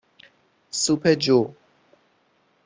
سوپ جو